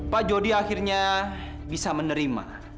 pak jody akhirnya bisa menerima